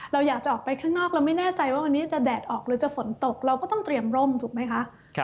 เราอยากจะออกไปข้างนอกเราไม่แน่ใจว่าวันนี้จะแดดออกหรือจะฝนตกเราก็ต้องเตรียมร่มถูกไหมคะ